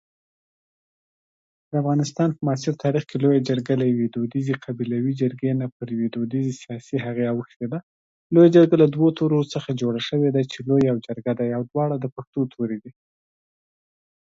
She died midway through the second.